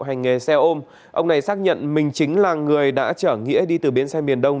hành nghề xe ôm ông này xác nhận mình chính là người đã chở nghĩa đi từ bến xe miền đông